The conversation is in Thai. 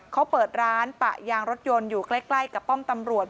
เขาเปิดร้านปะยางรถยนต์อยู่ใกล้กับป้อมตำรวจ